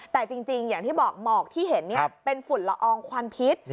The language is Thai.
แต่จริงอย่างที่บอกหมอกที่เห็นเป็นฝุ่นละอองควันพิษ